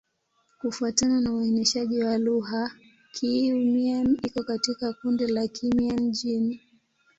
Kufuatana na uainishaji wa lugha, Kiiu-Mien iko katika kundi la Kimian-Jin.